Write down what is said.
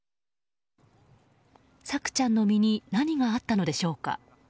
朔ちゃんの身に何があったのでしょうか。